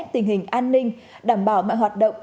tình hình an ninh đảm bảo mạng hoạt động